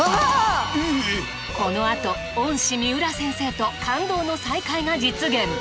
このあと恩師三浦先生と感動の再会が実現！